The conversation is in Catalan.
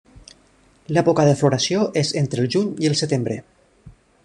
L'època de floració és entre el Juny i el Setembre.